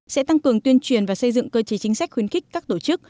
sẽ tăng cường tuyên truyền và xây dựng cơ chế chính sách khuyến khích các tổ chức